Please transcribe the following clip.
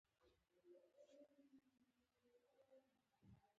د خشونت د وسلې له لارې نه.